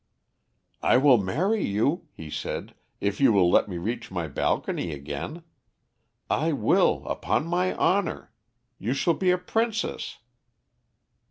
"I will marry you," he said, "if you will let me reach my balcony again. I will, upon my honour. You shall be a princess."